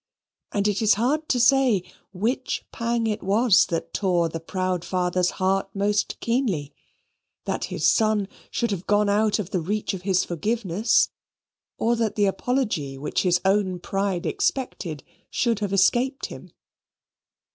And it is hard to say which pang it was that tore the proud father's heart most keenly that his son should have gone out of the reach of his forgiveness, or that the apology which his own pride expected should have escaped him.